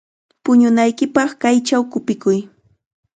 Puñunaykipaq kaychaw qupikuy.